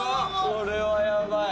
これはやばい。